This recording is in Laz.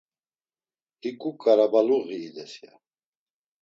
Hiǩu ǩarabaluği ides, ya.